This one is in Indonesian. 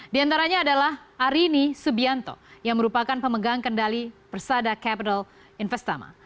di antaranya adalah arini subianto yang merupakan pemegang kendali persada capital investama